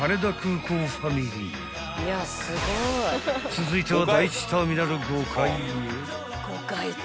［続いては］